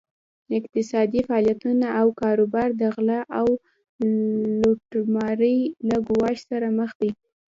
اقتصادي فعالیتونه او کاروبار د غلا او لوټمارۍ له ګواښ سره مخ دي.